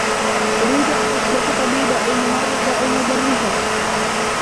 أريد أن أصبح طبيبة أو ممرضة أو مدرسة.